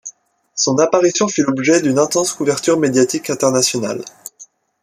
Son apparition fit l'objet d'une intense couverture médiatique internationale.